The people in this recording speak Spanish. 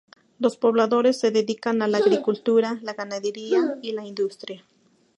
Los pobladores se dedican a la agricultura, la ganadería y la industria.